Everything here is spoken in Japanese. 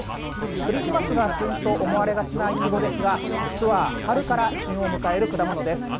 クリスマスが旬と思われがちな、いちごですが実は春から旬を迎える果物です。